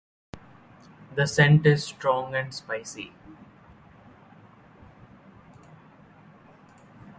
The scent is strong and spicy.